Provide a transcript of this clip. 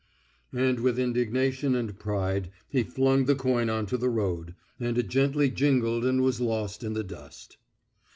And with indignation and pride he flung the coin on to the road, and it gently jingled and was lost in the dust.